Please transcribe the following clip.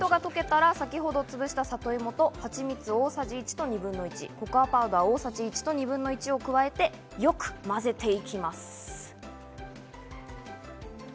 チョコレートが溶けたら、先ほどつぶしたさといもと、はちみつ、大さじ１と２分の１、ココアパウダー大さじ１と２分の１を加えて、よくまぜていきます。